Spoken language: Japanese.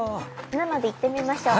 なので行ってみましょう。